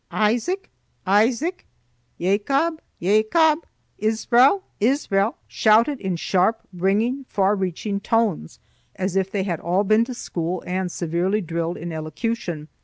Isaac, Isaac; Yacob, Yacob; Israel, Israel; shouted in sharp, ringing, far reaching tones, as if they had all been to school and severely drilled in elocution.